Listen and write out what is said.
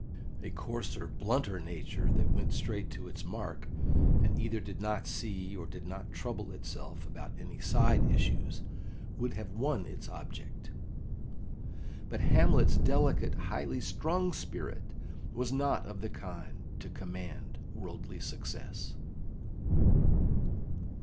A coarser, blunter nature that went straight to its mark, and either did not see, or did not trouble itself, about any side issues, would have won its object; but Hamlet's delicate, highly strung spirit was not of the kind to command worldly success.